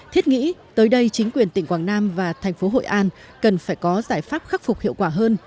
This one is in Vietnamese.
thiết nghĩ tới đây chính quyền tỉnh quảng nam và thành phố hội an cần phải có giải pháp khắc phục hiệu quả hơn